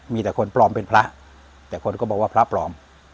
มีแต่คนปลอมเป็นพระแต่คนก็บอกว่าพระปลอม